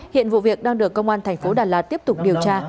hiện vụ việc đang được công an thành phố đà lạt tiếp tục điều tra